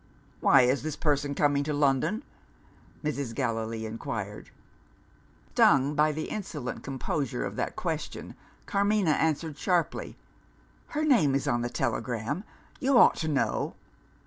"Why is this person coming to London?" Mrs. Gallilee inquired. Stung by the insolent composure of that question, Carmina answered sharply, "Her name is on the telegram; you ought to know!"